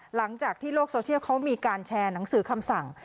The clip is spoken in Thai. หลังจากที่โลกโซเชียลเขามีการแชร์หนังสือคำสั่ง